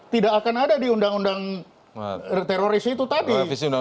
tidak akan ada di undang undang teroris itu tadi